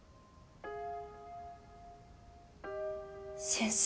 先生